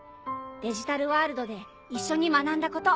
デジタルワールドで一緒に学んだこと。